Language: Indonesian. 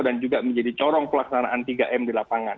dan juga menjadi corong pelaksanaan tiga m di lapangan